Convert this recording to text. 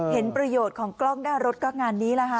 เห็นประโยชน์ของกล้องหน้ารถก็งานนี้แหละค่ะ